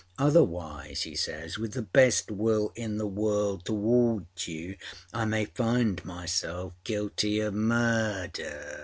Otherwise,â he says, âwith the best will in the world towards you, I may find myself guilty of murder!